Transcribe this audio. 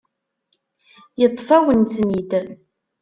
Yeṭṭef-awen-ten-id.